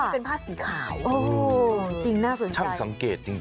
เป็นผ้าสีขาวจริงน่าสนใจช่างสังเกตจริง